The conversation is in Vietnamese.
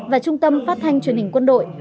và trung tâm phát thanh truyền hình quân đội